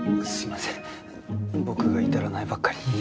すいません僕が至らないばっかりに。